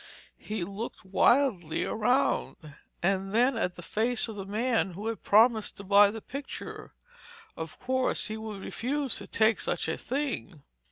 He looked wildly around, and then at the face of the man who had promised to buy the picture. Of course he would refuse to take such a thing.